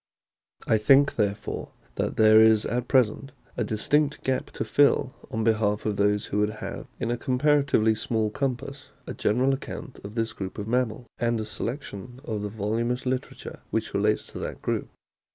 I think, therefore, that there is at present a distinct gap to fill on behalf of those who would have in a comparatively small compass a general account of this group of mammals, and a selection of the voluminous literature which relates to that group.